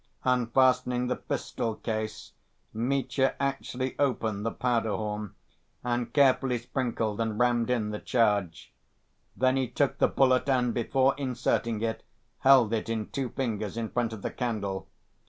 Unfastening the pistol‐case, Mitya actually opened the powder horn, and carefully sprinkled and rammed in the charge. Then he took the bullet and, before inserting it, held it in two fingers in front of the candle.